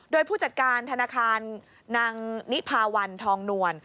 โดยผู้จัดการธนาคารนางนิพาวันทองนวล